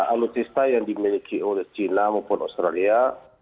alutsista yang dimiliki oleh china maupun australia